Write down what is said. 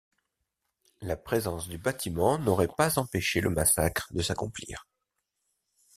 La présence du bâtiment n’aurait pas empêché le massacre de s’accomplir!...